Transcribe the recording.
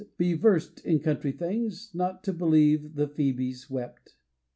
be versed in country things Not to believe the phoebes wept.